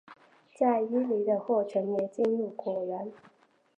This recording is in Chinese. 在伊犁的霍城也进入果园。